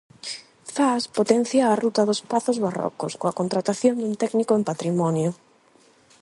Zas potencia a "Ruta dos pazos barrocos" coa contratación dun técnico en patrimonio.